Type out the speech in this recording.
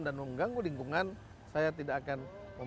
dan mengganggu lingkungan saya tidak akan